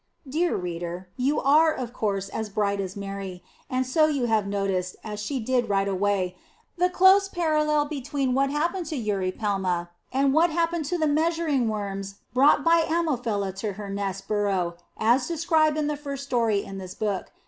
Dear reader, you are of course as bright as Mary, and so you have noticed, as she did right away, the close parallel between what happened to Eurypelma and what happened to the measuring worms brought by Ammophila to her nest burrow as described in the first story in this book.